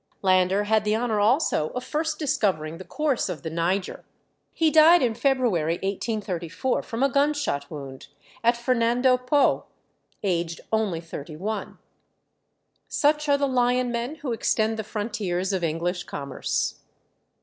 Lander had the honour also of first discovering the course of the Niger. He died in February 1834, from a gunshot wound, at Fernando Po, aged only thirty one. Such are the lion men who extend the frontiers of English commerce.